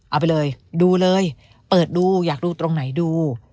เอาไปเลยดูเลยเปิดดูอยากดูตรงไหนดู